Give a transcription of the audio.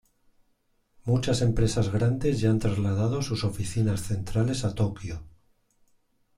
Muchas empresas grandes ya han trasladado sus oficinas centrales a Tokio.